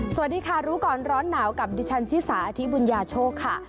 สวัสดีค่ะรู้ก่อนร้อนหนาวกับดิฉันชิสาอธิบุญญาโชคค่ะ